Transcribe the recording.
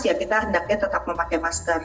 ya kita hendaknya tetap memakai masker